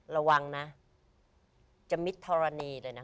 ระวังนะจะมิดทรณีเลยนะ